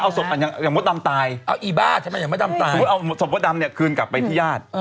เอาศพอันยังมดดำตายเอาอีบ้าใช่ไหมเอาศพมดดำเนี่ยคืนกลับไปที่ญาติ